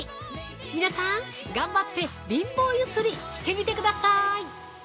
皆さん、頑張って貧乏ゆすりしてみてください。